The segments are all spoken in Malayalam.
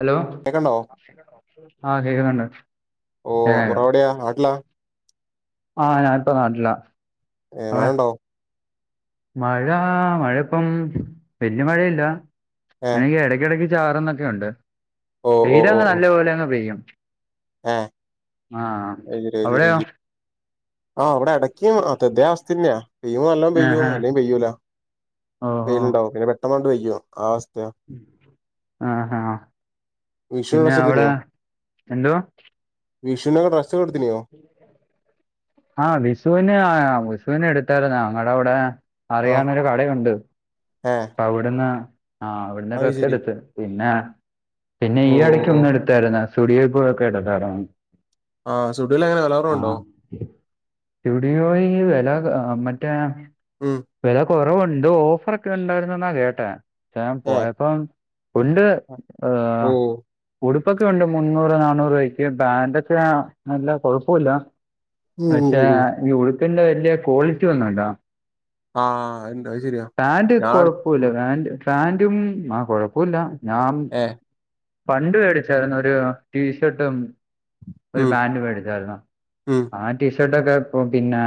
ഹലോ കേക്കണ്ടോ ആഹ് കേക്ക്ണ്ണ്ണ്ട് ഓ ബ്റോവിടെയ നാട്ടിലാ ആഹ് ഞാനിപ്പ നാട്ടിലാ. എ അതെ മാണോ മഴ മഴ ഇപ്പം വല്യ മഴയില്ല ഏ എങ്ങ എടക്കിടക്ക് ചാറന്നൊക്കെ ഉണ്ട്. ഓ ഓ ഓ ഓ ഇപ്പോലങ് പെയും. ഏ അവിടെയോ [unintelligible] ആഹ് അവിടെ എ യ്യോ അതതേ അവസ്ഥന്നാ. പെയ്യോ നല്ലാം പെയ്യോ ആഹാ അല്ലേ പെയ്യൂല. ഓഹോ വെയിലുണ്ടാവും പിന്നെ വെട്ട കൊണ്ട് പെയ്യോ ആ വസ്ഥ ആഹ് ഹാ. വിഷുവിന് പിന്നെ ഡ്രസ്സ് അവിടെ എന്തുവാ. വിഷുന് ട്രസ്സ് എടുത്തിനോ ആഹ വിഷുവിന് ആ വിഷുവിന എടുത്തരുന്നു ഞങ്ങളെവിടെ ആ അറിയാനൊരു കടയുണ്ട് ഏ അവിടുന്ന് ആ അവിടുന്ന് അത് ഡ്രസ് ശരി എടുത്ത്. പിന്ന പിന്നെ ഓ ഈ ഓ ഇടക്ക് ഓ ഒന്ന് എടുത്ത്. ചെലന സ്റ്റുട്ടിയിൽപോയൊക്കെ എടക്കാറാണ് ആഹ് സുഡിലെങ്ങനെ വലേറും ഉണ്ടോ സുഡിയോയിൽ വില അ മറ്റേ ഉം വില കുറവുണ്ട് ഓഫർ ഒക്കെ ഉണ്ടായിരുന്നൊന്ന് അറിയട്ടെ ഞാൻ ഏ പോയപ്പം [unintelligible] ഏഹ്. ഓ ഉടുപ്പൊക്കെ ഉണ്ട് മുന്നൂറ് നാന്നൂറുപയ്ക്ക് പാന്റെക്കെ നല്ല കൊഴപ്പൊല്ല ഉം ഉം പക്ഷേ ഉം ഉം ഈ ഉടുപ്പിന്റെ വലിയ ക്വാളിറ്റി ഒന്നുംണ്ട. ആഹ എന്താ അത് ശരിയാ. ഞാൻ കൊഴപ്പൊല്ല ഉം, ഫാൻ ഫാൻറും ആ കൊഴപ്പല്ല ഞാൻ ഏ പണ്ട് മേടിച്ചായിരുന്നു ഒരു ടീഷർട്ടും, ഒരു ഉം പാൻറ്മേടിച്ചായിരുന്നു ഉം ആ ടീഷർട്ടൊക്കെ ഇപ്പം പിന്നെ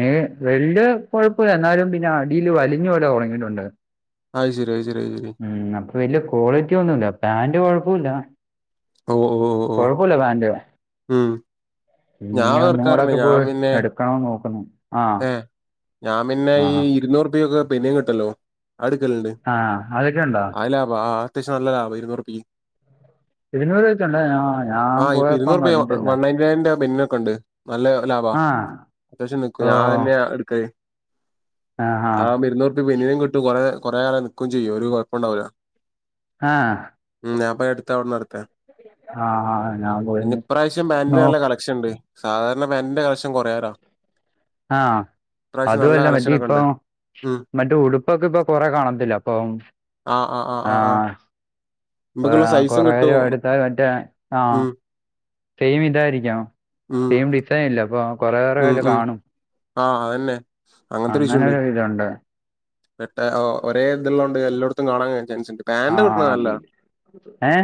നെ വെല്യയ കൊഴപ്പല്ല എന്നാലും പിന്നെ അടിൽ വലിഞ്ഞോലെ ഉണങ്ങിയിട്ടുണ്ട് ആയി ശരി, ആയി ശരി, ആയി ശരി. ഉം അപ്പൊ വല്യയ ക്വാളിറ്റി ഒന്നുമല്ല പാന്റ് കൊഴപ്പില്ല ഓ ഓ ഓ ഓ കൊഴപ്പല്ല പാന്റ് ഉം ഞാൻ പിന്നെ വെറുക്കാറുണ്ട് മോളെക്കെ പോയി എടുക്കാം നോക്കുന്നു ആ ഏ ഞാൻ പിന്നെ ഈ ആ ഇരുന്നൂറ് ഉറു പേയ്ക്കൊക്കെ പിന്നീം കിട്ടുല്ലോ അടുക്കലുണ്ട് ആ അതൊക്കെ ഉണ്ടോ ആ ലാഭ ആ ആ അത്യാവശ്യം നല്ല ലാഭം ഇരുന്നൂറു പ്പിം ഇതിനു ചെന്നെ ആ ഞാൻ പോയപ്പം കണ്ടില്ല [unintelligible] പിന്നൊക്കണ്ട് നല്ല ലാഭാ. ആ അത്യാവശ്യം നിക്കും. ഓ ഞാൻ തന്നെ [unintelligible] [unintelligible] ആ ആ ഇപ്പ ബന്നിനും കിട്ടും കൊറെ കൊറെ ഏറെ നിക്കും ചെയ്യും ഒരു കുഴപ്പം ഉണ്ടാവൂില്ല ആഹ ഉ ഞാൻപ്പ എടുത്ത അവിടെ നടത്ത ആ ആ ഞാൻ പോയി പിന്ന ഇപ്രാവശ്യം ബാൻറിന് നോ നല്ല കളക്ഷൻ ഉണ്ട് സാധാരണ പെനിന്റെ കളക്ഷൻ കുറയറാ ആ നല്ല അതുമല്ല മറ്റേ കളക്ഷനൊക്കെ ഇപ്പൊ ഉണ്ട് ഉം മറ്റേ ഉടുപ്പൊക്കെ ഇപ്പൊ കൊറെ കാണത്തില്ല അപ്പൊ ആ് ആ ആ ആ ആ ആ, നമ്മക്കുള്ള സൈസും കുറെ പേര് കിട്ടുമോ എടുത്താൽ മറ്റേ ആ ഉ സെയിം ഇതായിരിക്കാം ഉം സെയിം ഡിസൈൻ ഇല്ല അപ്പൊ കുറെ പേരുടെ ഉം കയ്യിൽ ഉം കാണും ആഹ അതന്നെ അങ്ങനത്തെ ഇഷ്യു അങ്ങനെ ഉണ്ട് ഒരു ഇതുണ്ട് പെട്ട ഒരെ ഇത് ഉള്ളോണ്ട് എല്ലായിടത്തും കാണാൻ ചാൻസ് ഉണ്ട് പാന്റ് കൊടുക്കണ ആഹ് നല്ലാ ഏ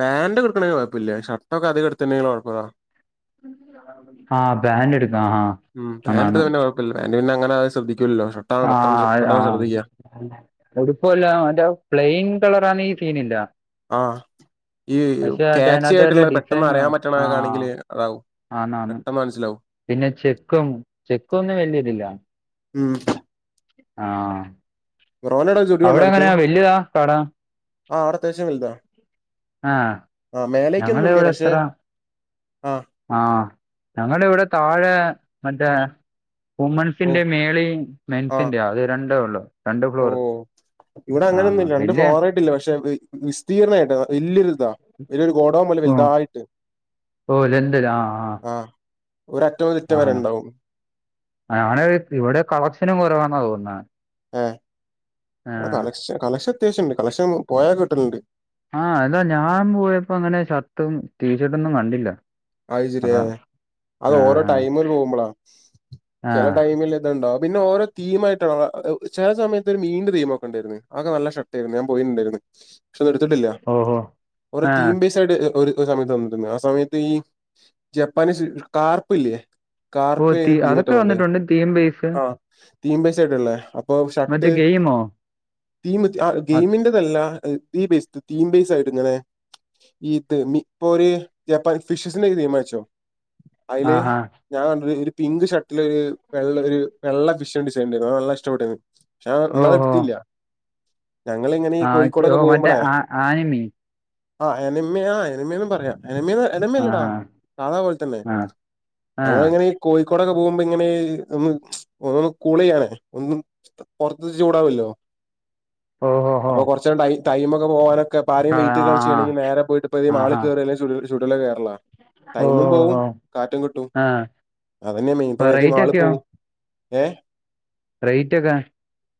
പാന്റ്ടുണെങ്ക കുഴപ്പമില്ല ഷട്ടക്കെ അത്ടുത്തിുണ്ടെങ്കിൽകുഴപ്പമാ ആഹ പാന്റ് എടുക്കാം ആഹ മം പാന്റ ഇട്ടാൽ കുഴപ്പമില്ല പാന്റ്ന്നെ അങ്ങനെത് ശ്രദ്ധിക്കൂല്ലോ പക്ഷെ ആഹ ആഹ എടുപ്പല്ല മറ്റ പ്ലെയിൻ കളറ ആന്ന ഈ സീനില്ല ആ ഈ പക്ഷെ മറ്റേ ക്യാച്ച് അതിനകത്ത് വല്ല ആയിട്ടുള്ളത് പെട്ടെന്ന് അറിയാൻ പറ്റണക്കൊണെങ്കിൽ അതാവും ആന്നാണ് പെട്ടെന്ന് മനസ്സിലാവും പിന്നെ ചെക്കും ചെക്കും ഒന്നും വലിയതില്ലാണ് ഉം ആഹ ബ്രോ നു അവിടെ സ്റ്റുഡിയോ അടുത്ത് വല്യതാ കട ആ് അവിടത്യാവശ്യം വലുതാ ആഹ് ആ ഞങ്ങള മേലേക്കൊന്നുംല്ല പക്ഷെ ആഹ് ആഹ ഞങ്ങളുടെ ഇവിടെ താഴെ മറ്റേ ഓ വുമൻസിന്റെ മേളി ആ മെൻസിന്റെ അത് രണ്ടേ ഉള്ളു രണ്ട് ഓ ഫ്ലോറ് ഇവിടെ അങ്ങനെയൊന്നുഇല്ല രണ്ട് ഫ്ലോർ ആയിട്ടില്ല പക്ഷെ വിസ്തീർണമായിട്ട് വല്ലരുതാ വലിയൊരു ഗോഡൗൺ പോലെ ഓ വലുതായിട്ട് ഓ ലണ്ടൻ ആ ആഹ് ആ ഒരറ്റ ചെറ്റം വരെ ഉണ്ടാവും ഞൻ ഇവിടെ കളക്ഷനും കുറവാ ന്നാ തോന്നുന്ന ഏ നടെ കളക്ഷൻ അത്യാവശ്യംണ്ട് കളക്ഷൻ പോയാൽ കിട്ടലുണ്ട് ആഹ അതാ ഞാൻ പോയപ്പോ അങ്ങനെ ഷർട്ടും ടീഷർട്ടൊന്നും കണ്ടില്ല ആശരിയാ അതാ അത് ആഹ് ഓരോ ആഹ് ടൈമില് പോകുമ്പളാ ചില ആഹ് ടൈമില് ഇണ്ടും പിന്നെ ഓരോ തീമായിയിട്ട ചില സയത്ത് ഒരു മീണ്ട തീമ ഒക്കെ ഉണ്ടായിരുന്നു ആക്കെ നല്ല ഷർട്ട്‌ ആായിരുന്നു ഞാൻ പോയിട്ടുണ്ടായിരുന്നു പക്ഷെ ഒ എടുത്തിട്ടില്ല ഓഹോ ര ആഹ് തീം ബേസ് ആയിട്ട് സമയത്ത് തന്നിട്ടുണ്ട് ആ സമയത്ത് ഈ ജപ്പാനീസ് കാർപ്പ് ഇല്ലേ ഓ തീ കാർപ്പ്ന്ന് തീമറ്റ അതൊക്കെ പോണ്ട വന്നിട്ടുണ്ട് തീം ബേസ് ആ തീം പേസ [unintelligible] മറ്റേ ഗെയിമോ തീം മിൻറതല്ല തീ ബേസ് തീം ബേസ് ആയിട്ട് ഇങ്ങനെ ഈത് ഇപ്പൊര് ജപ്പാൻ ഫിഷസിന്റെ നിയമാനിച്ചോ അതില് ആഹാ ഞാൻ കണ്ട്ക്കണ് ഒരു പിങ്ക് ഷർട്ടില് ഒരു വെള്ള ഒരു വെള്ള ഫിഷൻ ഡിസൈഡ്ണ്ടായിരുന്നു അ നല്ല ഇഷ്ടപ്പെട്ടരുന്നു പക്ഷെൻ എന്നാല ഓഹോ എടുത്തില്ല ഞങ്ങൾ ഇങ്ങനെ ആഹ് ചെ ഓ കോഴിക്കോടൊക്കെ മറ്റേ പോകുമ്പോളെ ആ ആനിമി ആഹ് എനിയാ എനിമയന്ന് പറയാ എനമ എനമ്മല്ലടാ ആഹാ കാണാ പോലെ തന്നെ ആഹ് ഞങ്ങൾ ആഹ് എങ്ങനെ കോഴിക്കോടൊക്കെ പോകുമ്പോ ഇങ്ങനെ ഒന്ന് ഒ കൂൾ ച്യ്യനെ ഒും പുറത്ത് ചൂടാവല്ലോ ഓഹോഹോ അപ്പൊ കൊറച്ചം ടൈമ ഒക്കെ പോകാനൊക്കെ ഇപ്പ ആരെയ ആഹ് വെയിറ്റ് കണ ആഹ് ചെയ്യണെങ്ക നേരെ പോട്ട് ഇഈ മാള് ആഹാ കേയറല്ലേ ചുലല്ല കറാ ടൈമും പോവും ഓഹോഹോ കാറ്റും കിട്ടും ആഹ് അതന്നെയാ മീൻ ഇപ്പ ഏത റേറ്റ് ആള് ഒക്കെയോ പോകവും ഏ റേറ്റ് ഒക്കെ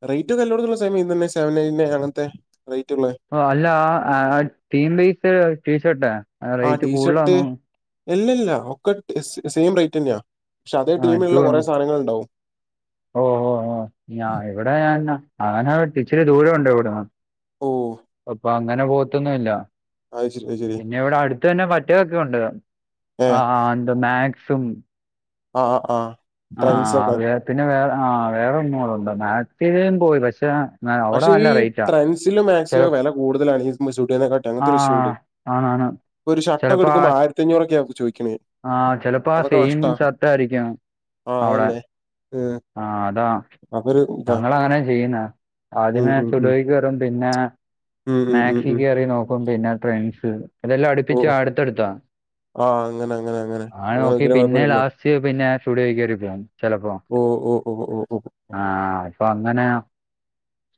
റേറ്റ് എള്ളോടുത്തുള്ള സെയിം ഇന്നെ സെവന ആണത്തെ റേറ്റുള്ള ഓ അല്ല തീം പീസ് ടീഷർട്ടേ റേറ്റ് കൂടുതലാ ഇല്ല ഇല്ല ഒക്കെ സെയിം റേറ്റ് തന്നെയാ പക്ഷെ അതേ ആഹ് എന്തു ടീമിലുള്ള വേണം കുറെ സാധനങ്ങൾ ഉണ്ടാവും ഓ ഓ ഓ ഞാ ഇവിടേ ഞാനെന്നാ അങ്ങന ഇച്ചിരി ദൂരം ഉണ്ട് ഇവിടന്ന് ഓഹ് അപ്പൊ അങ്ങനെ പോത്തൊന്നും ഇല്ല. അത് ശരി അത് ശരി പിന്നെ ഇവിടെ അടുത്ത് തന്നെ പറ്റീതൊക്കെ ഉണ്ട് ഏ ആഹ് എന്താ മാക്സും ആഹ് ആഹ് ആഹ് [unintelligible] പിന്നെ വേറെ ആ വേറെ ഒന്നും കൂടെ [unintelligible] [unintelligible] പോയി പക്ഷെ അവിടെ പക്ഷെ ഈ നല്ല റേറ്റാ ട്രെൻഡ്സിലും ചില മാക്സിലും വെല കൂടുതലാണ്. ഈ [unintelligible] ആ അങ്ങന്ത്തൊര്ഷ്യൂണ്ട്. ആണാണ് ഇപ്പൊരു ഷർട്ടൊക്കെടുക്കുമ്പോ ആയിരത്തഞ്ഞൂറൊക്കെയാ ചോദിക് ആഹ് ചെലപ്പോ ആ സെയിം ഷർട്ടാരിക്കും ആ അവിടെ! അതന്നെ ഉം ആഹ് അതാ അതൊരു ഇതാ ഞങ്ങളങ്ങനാ ചെയ്യുന്നേ ഉം ആദ്യമേ ഉം ഉം സുഡിയോയിൽ കേറും പിന്നെ ഉം ഉം ഉം മാക്സി ഉം കേറി നോക്കും. പിന്നെ ട്രെൻഡ്സ് [unintelligible] ഇതെല്ലാം അടുപ്പിച്ച അടുത്തടുത്താ- ആഹ് അങ്ങനെ അങ്ങനെ. [unintelligible] ആഹ് അങ്ങനെ നോക്കി നോക്കിയാ പിന്നെ കുഴപ്പമില്ലല്ലോ ലാസ്റ്റ് പിന്നെ സ്റ്റുഡിയോ കേറി ചെലപ്പോ ഓ ഓ ഓ ഓ ഓ ആഹ് ഇപ്പൊ അന്നന്നെ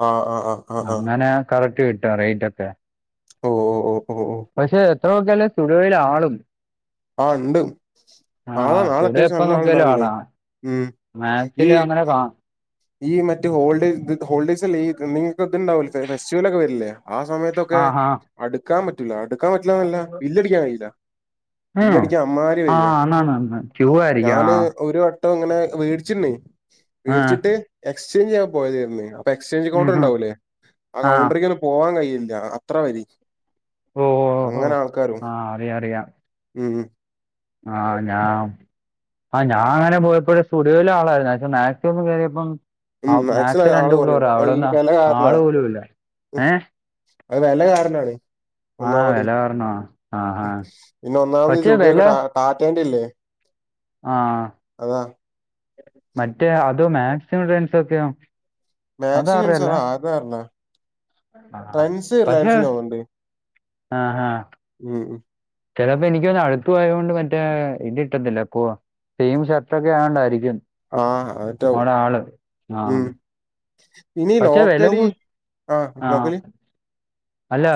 ആഹ് ആഹ് ആഹ് അങ്ങനെ കറക്റ്റ് കിട്ടോ? റേറ്റക്കെ ഓഹ്‌ ഓഹ്‌ പക്ഷെ എത്ര നോക്കിയാലും സുഡിയോയിൽ ആള് ആഹ് ണ്ട്. ആടാ ആഹ് നാളെ സുഡോ അത്യാവശ്യം എപ്പ നല്ല ആള് നോക്കിയാലും ഉണ്ടാവല്ണ്ട് ആളാ. ഉം ഈ മാക്സില് അങ്ങനെ കാ ഈ മറ്റേ ഹോൾഡ് ഹോൾഡേസല്ലേ ഇയ്യ് തന്നീ ണ്ടാവലൊ ചെല ഫെസ്റ്റിവെല് ഒക്കെ വരില്ലേ ആ സമയത്തൊക്കെ ആഹാ അടുക്കാൻ പറ്റില്ല അടുക്കാൻ പറ്റില്ലാ എന്നല്ല ആണോ? ബില്ല് അടിക്കാൻ കഴിയില്ല ആഹ് ബില്ലടിക്കാൻഅമ്മാര് [unintelligible] ആന്നാന്നാന്ന് ക്യൂ ആയിരിക്കും ഞാന് ആഹ്. ഒരുവട്ടം ട്ടോ ഇങ്ങനെ വേട്ച്ചുണ് ആഹ് വേടിച്ചിട്ട് എക്സ്ചേഞ്ച് ചെയ്യാൻ പോയതായിരുന്നു പ്പൊ എക്സ്ചേഞ്ച് കൗണ്ടർ ഉം ഉം ഉണ്ടാവൂല്ലേ. ആ ആഹ് കൗണ്ടറിക് തന്നെ പോവാൻ കഴിയില്ല. അത്ര വരി ഓഹ് ഓഹ് അങ്ങനെ ഓഹ് ആൾക്കാരും ആഹ് ഉം ആഹ ഞാം ആ ഞാൻ അങ്ങനെ പോയപ്പോയ് സ്റ്റുഡിയോയിൽ ആളായിരുന്നു. മാച്ച് കേറിയപ്പം ഉം ആമാച്ച് മാക്സിമം രണ്ട് ആള് ഫ്ലോറ. കുറയും അത് അവിടെ ഈ ഒന്നും വില കാരണാ ആള് പോലും ഇല്ല ഉം, ഏ അത് വെല കാണണം അവര് ആ ഒന്നാമത്, വില കാരണമാ ആ ആ പിന്നെ ഒന്നാമത് പക്ഷെ വില സ്റ്റുഡിയേറ്റാറ്റന്റി ഇല്ലേ ആഹ് അതാ മറ്റേ അതോ [unintelligible] മാക്സും അതാരുടെയല്ല [unintelligible] അതാര്ന്നൊ ആ [unintelligible] [unintelligible] ആഹ് ആഹ് ഉം ഉം ചെലപ്പോ [unintelligible] [unintelligible] പോയത് കൊണ്ട് മറ്റേ ഇത് ഇട്ടത്തില്ല [unintelligible] സെയിം ഷർട്ട്‌ ഒക്കെ ആയോണ്ടായിരിക്കും ആഹ് അതെറ്റാവും അവിടെ ആള് ആ ഉം. ഇനി പക്ഷെ വില കൂ നോക്കലിൽ ആഹ് ആ നോക്കല്. അല്ല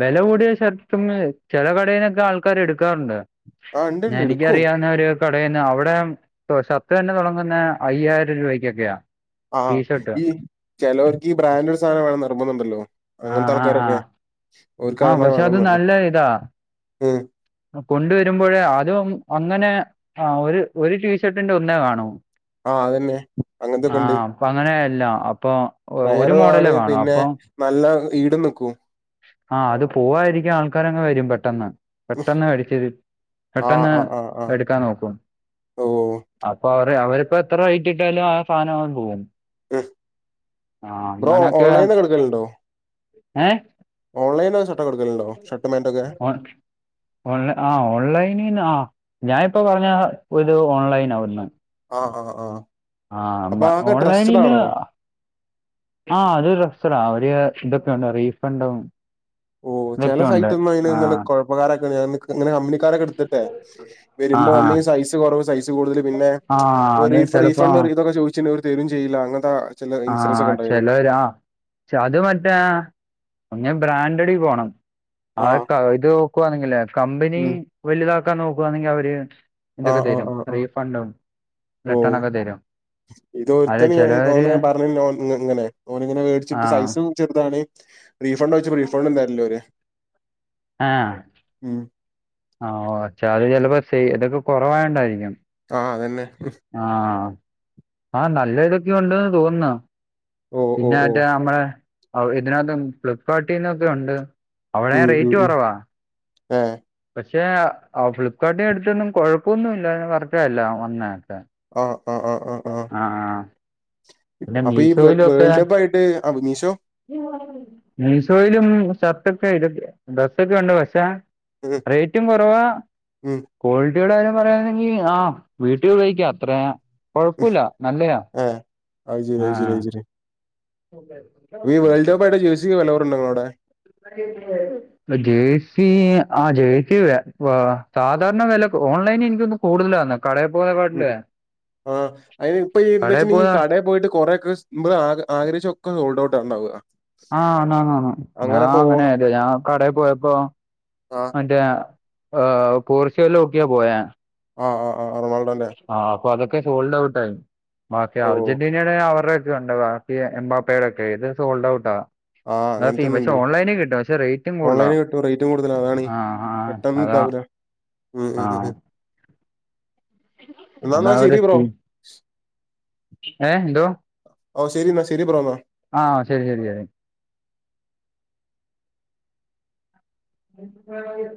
വെല കൂടിയ ഷർട്ടും ചെല കടയിനൊക്കെ ആൾക്കാാര് എടുക്കാറുണ്ട്. ആഹ് ഇണ്ട് ഇണ്ട് നനിബി എടുക്കും അറ്യാവുന്ന ഒരു. ട്ടൊടെന്ന അവിടെ ട്ടൊ ഷർട്ട്‌ തന്നെ തൊടങ്ങുന്നെ അയ്യായിരം രൂപയ്ക്ക്യൊക്കെയാ. ആഹ് ഈ ചെലവർക്ക് ഈ ബ്രാൻഡഡ് സാധനം വേണം നിർമ്മുന്നുണ്ടല്ലോ അങ്ങനത്തെ ആൾക്കാരൊക്കെ ഓർക്ക് ആഹ് അതന്നെ പക്ഷെ അത് വേണംന്ന് പറഞ്ഞു നല്ല ഇതാ. ഉം കൊണ്ടുവരുമ്പോഴ അതും അങ്ങനെ ആ ഒരു ഒരു ടീഷർട്ടിന്റെ ഒന്നേ കാണൂ ആഹ് അതന്നെ അങ്ങനത്തൊക്കെ ഉണ്ട് ആഹ് പ്പങ്ങനെയല്ലാ അപ്പൊ ഒ ഒരു റയറും ആണ് മോഡല് വാണം പിന്നെ അപ്പം. നല്ല ഈടും നിക്കും ആഹ് അത് പോവായിരിക്കാൻ ആൾക്കാരങ്ങെ വരും പെട്ടെന്ന് പെട്ടെന്ന് ആഹ് പടിച്ചിത്പെട്ടെന്ന് ആഹ് ആഹ് ആഹ് എടുക്കാൻ നോക്കും ഓഹ് അപ്പൊ അവര് അവരിപ്പോ എത്ര റേറ്റ്ട്ടാലും ആ സാധനം അങ്ങട് പോകും ആഹ് ബ്രോ അങ്ങനൊക്കെ ഓൺലൈനിന്ന് ഒക്കെ ഏഹ് ഓൺലൈന ഷർട്ടക്ക എടുക്കലുണ്ടോ ഷർട്ട പാൻറക്കെ ഓൺ ഓൺലൈ ആ ഓൺലൈനിന്ന് ആ ഞാനിപ്പോ പറഞ്ഞ ഒരു ഓൺലൈൻനഒന്ന് ആഹ് ആഹ് ആഹ് ആഹ അപ്പൊ അതൊക്കെ ട്രസ്റ്റഡ് ഓൺലൈനിന്ന് ആണോ? ആഹ് അതൊരു രസത്തിനാ അവര് ഇതൊക്കെയ ഉണ്ട് റീഫണ്ടും ഓ ചില ഇതൊക്കെ ഉണ്ട് സൈറ്റ് ഒന്നും ആ അയിന് കൊഴപ്പക്കാരൊക്കണ്ട്അങ്ങനെ കമ്പിനിക്കാരൊക്കെ എടുത്തിട്ടെ ആ വരുമ്പോ ആ ഒന്ന സൈസ് കുറവ സൈസ് കൂടുതൽ പിന്നെ ആ അത് ചിലപ്പോ റീഫണ്ട് ഇതൊക്കെ ചോദിച്ചിട്ടു ഇവര് തരും ചെയ്യില്ല അങ്ങനത്തെ ചില ഇൻസിഡൻസ് ആഹ ഒക്കെ ഉണ്ടായിനി. ചിലരാ അത് മറ്റേ ഒ ബ്രാൻഡഡി പോണം ആ ആഹ് ഇത് നോക്കുവാണെങ്കിൽ കമ്പനി ഉം വലുതാക്കാൻ നോക്കുവാണെങ്കി അവര് ഇന്തൊക്കെ ആഹ് ആഹ് തരും ആഹ് ആഹ് റീഫണ്ടും റിട്ടേൺ ഓഹ് ഒക്കെ തരും അല്ല ഇതൊരുത്തന് ഞാൻ ചിലവര് ഓന് പര്ഞ്ഞിഞ് ഓൻ ഇങ്ങനെ ഓനങ്ങനെ മേടിച്ചിട്ട് ആഹ് സൈസ് ചെറുതാണ് റീഫണ്ട് ചോദിചപ്പ റീഫണ്ട് എ ആ ഉം ആ ഓച്ചാ അത് ചിലപ്പോ ഇതൊക്കെ കുറവായണ്ടായിരിക്കും ആഹ അതന്നെ ആഹ് ആഹ് നല്ല ഇതൊക്കെ ഉണ്ട്ന്ന് തോന്നുന്നു ഓഹ് പിന്നെ ഓഹ് മറ്റേ ഓഹ് നമ്മള അവ്ടെ ഇതിനകത്ത് ഫ്ലിപ്കാർട്ടിൽന്നൊക്കെ ഉണ്ട് അവിടെ ഉം ഉം റേറ്റ് ഉം കുറവാ ഏഹ് പക്ഷേ ഫ്ലിപ്കാർട്ടിനടുത്തൊന്നും കൊഴപ്പൊന്നു ഇല്ല പറഞ്ഞ വന്ന തൊക്കെ ആഹ ആ ആ ആ ആ ആ ആ അപ്പൊ ഈ വേൾഡ് കപ്പ് ആയിട്ട് അഭിനീഷോ മീശോയിലും ഷർട്ട്ഷർട്ടൊക്കെയുണ്ട് പക്ഷേ ഉം റേറ്റും കുറവാ ഉം ക്വാളിറ്റിയുടെ കാര്യം പറയാണെങ്കിൽ ആ വീട്ടിൽ ഉപയോഗിക്കാ അത്ര ഉം കുഴപ്പമില്ല നല്ലതാ ഏഹ് അത് ശരി അത് ശരി അത് ശരി ഒക്കെ ഈ വേൾ്ഡ്കപ്പായിട്ട ജേഴ്സിക്ക് വില കുറവുണ്ടോ അവിടെ [inaudible] ജേഴ്സി ആ ജേഴ്സി സാധാരണ വില ഓൺലൈനി എനിക്കൊന്ന് കൂടുതലാന്ന കട പോയ ഉം ആ് അതിന് ഇപ്പൊ എന്താ കടയിൽ പോയ വെച്ചിട്ടുണ്ടെങ്കിൽ കടയ പോയിട്ട് കൊറെക്കെ മ്പ് ആ ആഗ്രഹിച്ചൊക്കെ റോൾഡ ഔട്ടണ്ടാവുക ആഹ് ആന്ന് ആന്ന് ആന്ന്ഞാൻ അങ്ങനെല്ല ഞാൻ കടയിൽ പോയപ്പോ ആഹ് മറ്റ ഏഹ് പോർച്ചുഗലോക്കിയാ പോയാ ആ ആ ആ റൊണാൾഡോ അല്ലേ ആ് അപ്പൊ അതൊക്കെ സോൾഡ് ഔട്ട് ആയി ബാക്കി ഓഹ് അർജന്റീനയുടെ അവരുടെ ഇത്കണ്ട ബാക്കി എംബാ പേരൊക്കെ ഇത് സോൾഡ് ഔട്ടാ ആഹ് പക്ഷെ അങ്ങനത്തൊന്നുണ്ട് ഓൺലൈനി കിട്ടും പക്ഷെ റേറ്റും കൂടുതലാ ആ ആ ട്ടെന്ന് ഉണ്ടാവൂല ഉം ഉ എന്നാന്നാ അതാ ഒരു ശരി ബ്രോ സീൻ ഏഹ് എന്തോ ഓ് ശരിന്നാ ശരി ബ്രോന്ന ആ ശരി ശരി ശരി. ശരി